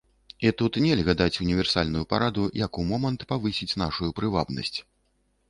І тут нельга даць універсальную параду, як у момант павысіць нашую прывабнасць.